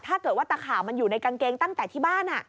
ถ้าเกิดว่าตะขาบมันอยู่ในกางเกงตั้งแต่ที่บ้าน